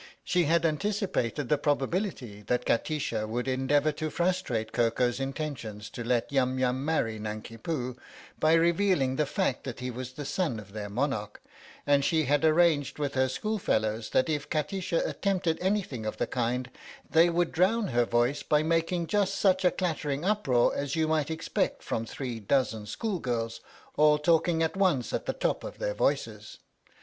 She had anticipated the probability that Kati sha would endeavour to frustrate Koko's intentions to let Yum Yum marry Nanki Poo, by revealing the fact that he was the son of their monarch, and she had arranged with her school fellows that if Kati sha attempted anything of the kind they would drown her voice by making just such a clattering uproar as you might expect from three dozen school girls all talking at once at the top of their voices.